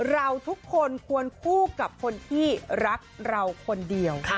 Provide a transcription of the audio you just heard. เราทุกคนควรคู่กับคนที่รักเราคนเดียว